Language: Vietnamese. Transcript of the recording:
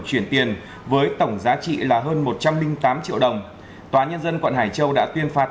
chuyển tiền với tổng giá trị là hơn một trăm linh tám triệu đồng tòa nhân dân quận hải châu đã tuyên phạt